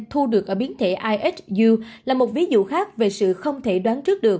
thu được ở biến thể isu là một ví dụ khác về sự không thể đoán trước được